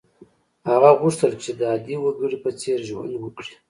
هغه غوښتل چې د عادي وګړي په څېر ژوند وکړي.